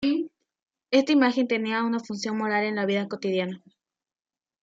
Esta imagen tenía una función moral en la vida cotidiana.